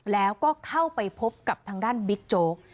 แล้วก็เข้าไปพบกับทางด้านบิ๊กโจ๊ก